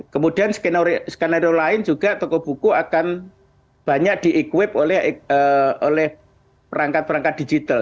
kemudian skenario lain juga toko buku akan banyak di equip oleh perangkat perangkat digital